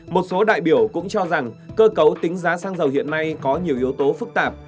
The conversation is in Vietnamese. một số đại biểu cũng cho rằng cơ cấu tính giá xăng dầu hiện nay có nhiều yếu tố phức tạp